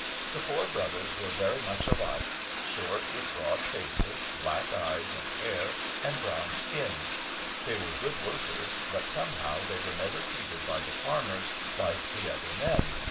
The four brothers were very much alike: short, with broad faces, black eyes and hair, and brown skins. They were good workers, but somehow they were never treated by the farmers like the other men.